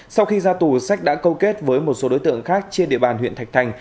sau khi ra tù sách đã câu kết với một số đối tượng khác trên địa bàn huyện thạch thành